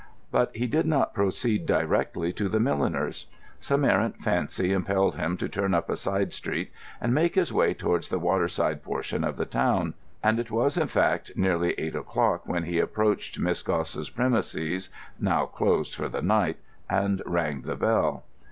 But he did not proceed directly to the milliner's. Some errant fancy impelled him to turn up a side street and make his way towards the waterside portion of the town; and it was, in fact, nearly eight o'clock when he approached Miss Gosse's premises (now closed for the night) and rang the bell.